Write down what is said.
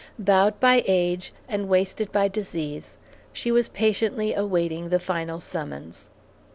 Bowed by age, and wasted by disease, she was patiently awaiting the final summons.